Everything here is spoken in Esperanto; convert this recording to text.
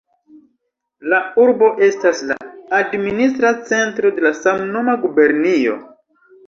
La urbo estas la administra centro de samnoma gubernio.